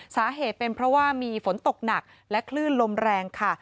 สาเหตุเป็นเพราะว่ามีฝนตกหนักและคลื่นลมแรงค่ะ